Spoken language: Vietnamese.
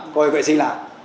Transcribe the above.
coi vệ sinh lại